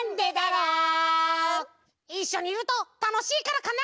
いっしょにいるとたのしいからかな？